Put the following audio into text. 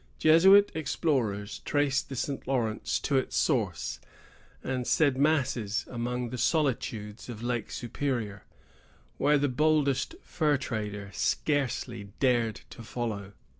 Jesuit explorers traced the St. Lawrence to its source, and said masses among the solitudes of Lake Superior, where the boldest fur trader scarcely dared to follow.